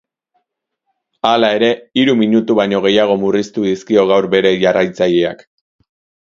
Hala ere, hiru minutu baino gehiago murriztu dizkio gaur bere jarraitzaileak.